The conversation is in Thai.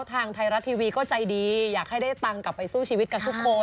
ทางไทยรัฐทีวีก็ใจดีอยากให้ได้ตังค์กลับไปสู้ชีวิตกับทุกคน